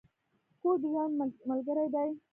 کور د ژوند ملګری دی.